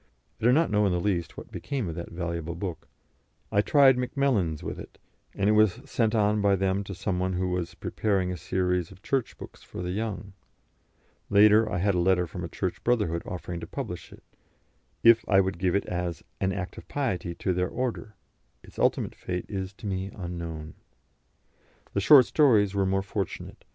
I do not in the least know what became of that valuable book; I tried Macmillans with it, and it was sent on by them to some one who was preparing a series of Church books for the young; later I had a letter from a Church brotherhood offering to publish it, if I would give it as "an act of piety" to their order; its ultimate fate is to me unknown. The short stories were more fortunate.